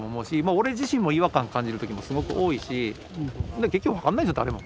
俺自身も違和感感じる時もすごく多いし結局分かんないでしょ誰も。